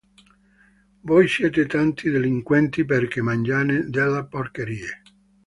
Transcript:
Voi siete tanti delinquenti perché mangiate delle porcherie